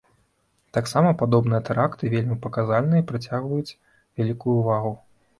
Таксама падобныя тэракты вельмі паказальныя і прыцягваюць вялікую ўвагу.